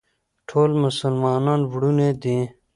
ټول مسلمانان وروڼه دي.